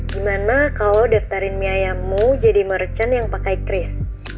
gimana kalo daftarin mie ayammu jadi merchant yang pake kris